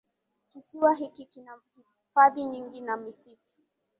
Kisiwa hiki kina hifadhi nyingi na misitu